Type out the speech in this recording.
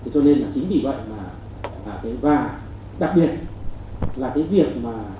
cho nên là chính vì vậy mà cái va đặc biệt là cái việc mà